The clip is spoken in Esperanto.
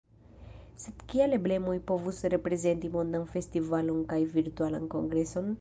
Sed kiaj emblemoj povus reprezenti mondan festivalon kaj virtualan kongreson?